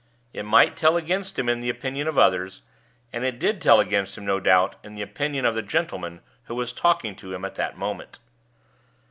It might tell against him in the opinions of others; and it did tell against him, no doubt, in the opinion of the gentleman who was talking to him at that moment.